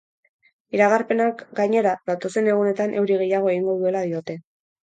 Iragarpenek, gainera, datozen egunetan euri gehiago egingo duela diote.